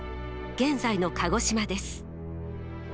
現在の鹿児島です。